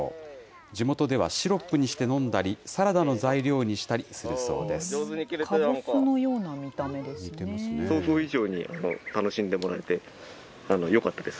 地元ではシロップにして飲んだり、サラダの材料にしたりするそうです。